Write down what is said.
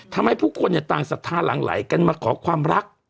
ทำให้ผู้คนต่างศรัทธาหลังไหลกันมาขอความรัก